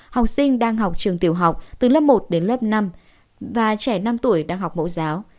học sinh đang học trường tiểu học từ lớp một đến lớp năm và trẻ năm tuổi đang học mẫu giáo